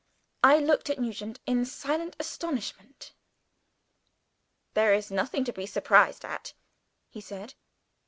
I looked at Nugent in silent astonishment. "There is nothing to be surprised at," he said.